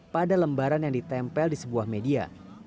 pada lembaran yang ditempel di sebuah media